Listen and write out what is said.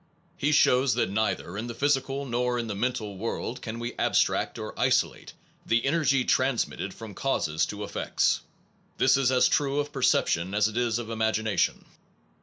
He shows that neither in the physical nor in the mental world can we abstract or isolate the energy transmitted from causes to effects. This is as true of perception as it is of imagina tion.